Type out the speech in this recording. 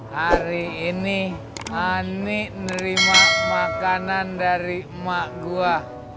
hari ini ani nerima makanan dari emak gue